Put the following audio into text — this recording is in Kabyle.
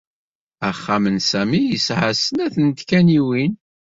Axxam n Sami yesɛa snat n tkanniwin.